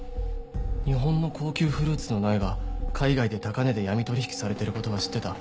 日本の高級フルーツの苗が海外で高値で闇取引されている事は知ってた。